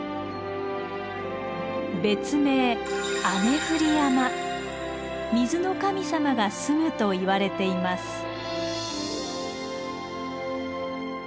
別名水の神様が住むといわれています。